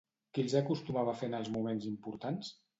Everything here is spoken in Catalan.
Qui els acostumava a fer en els moments importants?